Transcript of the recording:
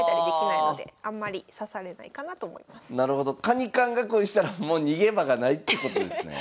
カニ缶囲いしたらもう逃げ場がないってことですね。